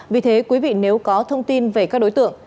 vì thế quý vị nếu có thông tin về các đối tượng